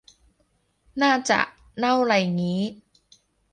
น่าจะ เน่าไรงี้